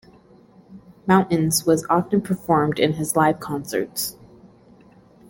"Mountains" was often performed in his live concerts.